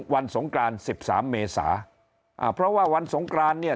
วันสงกราน๑๓เมษาเพราะว่าวันสงกรานเนี่ย